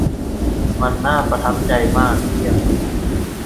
มันน่าประทับใจมาก เยี่ยม